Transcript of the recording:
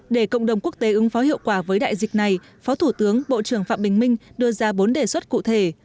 để cộng đồng quốc tế ứng phó hiệu quả với đại dịch này phó thủ tướng bộ trưởng phạm bình minh đưa ra bốn đề xuất cụ thể